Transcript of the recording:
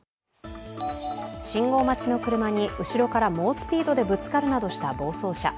信号待ちの車に後ろから猛スピードでぶつかるなどした暴走車。